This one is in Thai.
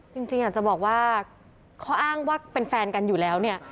จริงอยากจะบอกว่าข้ออ้างว่าเป็นแฟนกันอยู่แล้วเนี่ย